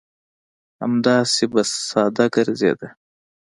همداسې به ساده ګرځېده.